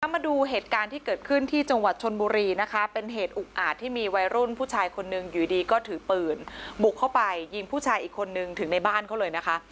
มาดูเหตุการณ์ที่เกิดขึ้นที่จังหวัดชนบุรีนะคะเป็นเหตุอุกอาจที่มีวัยรุ่นผู้ชายคนหนึ่งอยู่ดีก็ถือปืนบุกเข้าไปยิงผู้ชายอีกคนนึงถึงในบ้านเขาเลยนะคะ